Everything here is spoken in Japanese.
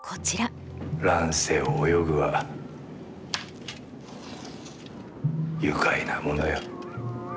乱世を泳ぐは愉快なものよ。